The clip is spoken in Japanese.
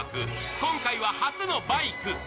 今回は初のバイク。